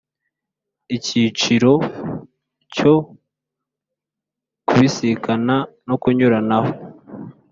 Icyiciro cyo Kubisikana no kunyuranaho